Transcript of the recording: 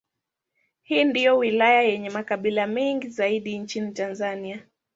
Hii ndiyo wilaya yenye makabila mengi zaidi nchini Tanzania.